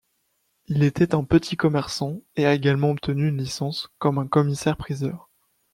Il était un petit commerçant et a également obtenu une licence comme un commissaire-priseur.